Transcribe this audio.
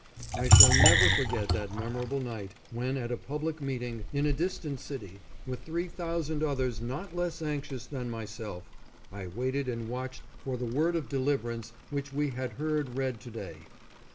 I shall never forget that memorable night, when at a public meeting, in a distant city, with three thousand others not less anxious than myself, I waited and watched for the word of deliverance which we have heard read to day.